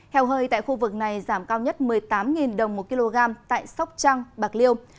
heo hơi tại khu vực này giảm cao nhất một mươi tám đồng một kg tại sóc trăng bạc liêu